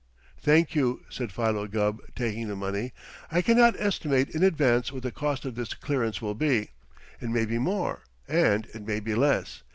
"Thank you," said Philo Gubb, taking the money. "I cannot estimate in advance what the cost of his clearance will be. It may be more, and it may be less.